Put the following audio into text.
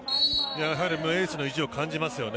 やはり両エースの意地を感じます。